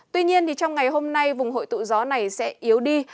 tuy nhiên trong ngày hôm nay vùng hội tụ gió này sẽ yếu đi